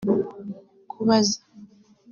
kubaza